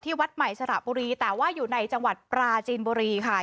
วัดใหม่สระบุรีแต่ว่าอยู่ในจังหวัดปราจีนบุรีค่ะ